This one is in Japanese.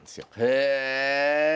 へえ！